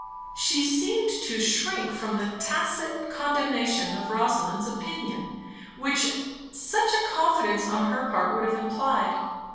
She seemed to shrink from the tacit condemnation of Rosamond's opinion which such a confidence on her part would have implied.